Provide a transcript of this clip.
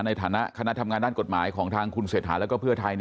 ในฐานะคณะทำงานด้านกฎหมายของทางคุณเศรษฐาแล้วก็เพื่อไทย